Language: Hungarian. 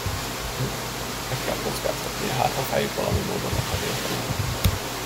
Mindegy! Meg kell kockáztatnia, hátha feljut valami módon a fedélzetre.